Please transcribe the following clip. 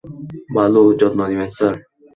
ভালো, যত্ন নিবেন, স্যার।